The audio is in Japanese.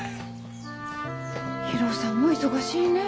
博夫さんも忙しいね。